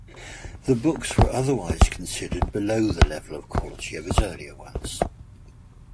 The books were otherwise considered below the level of quality of his earlier ones.